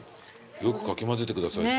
よくかき混ぜてくださいって。